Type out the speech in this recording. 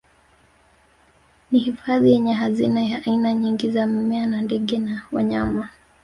Ni hifadhi yenye hazina ya aina nyingi za mimea ndege na wanyama